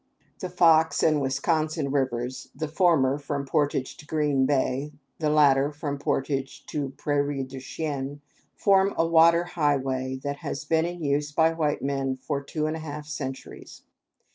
The Fox and Wisconsin rivers the former, from Portage to Green Bay, the latter from Portage to Prairie du Chien form a water highway that has been in use by white men for two and a half centuries.